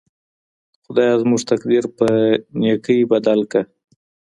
خدایه زموږ تقدیر په نیکۍ بدل کړه.